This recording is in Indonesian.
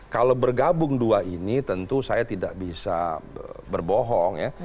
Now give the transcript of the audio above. kalau bergabung dua ini tentu saya tidak bisa berbohong ya